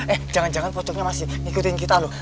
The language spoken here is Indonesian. eh jangan jangan fotonya masih ngikutin kita loh